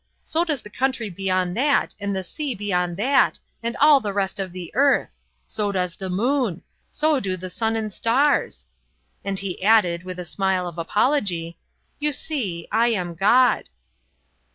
So does the country beyond that and the sea beyond that and all the rest of the earth. So does the moon. So do the sun and stars." And he added, with a smile of apology: "You see, I'm God."